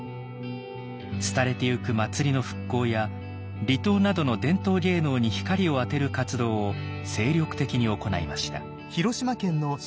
廃れていく祭りの復興や離島などの伝統芸能に光を当てる活動を精力的に行いました。